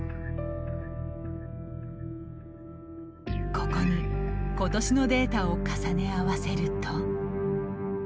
ここにことしのデータを重ね合わせると。